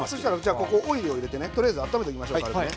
この中にオイルを入れてとりあえず温めておきましょう。